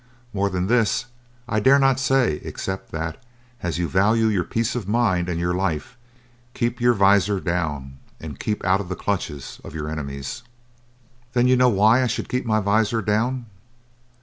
More than this, I dare not say except that, as you value your peace of mind and your life, keep your visor down and keep out of the clutches of your enemies." "Then you know why I should keep my visor down?"